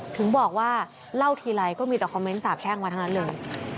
ถึงบอกว่าเล่าทีไรก็มีแต่คอมเมนต์สาบแช่งมาทั้งนั้นเลย